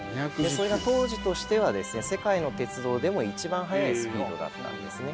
それが当時としては世界の鉄道でも一番速いスピードだったんですね。